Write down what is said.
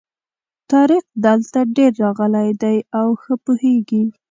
طارق دلته ډېر راغلی دی او ښه پوهېږي.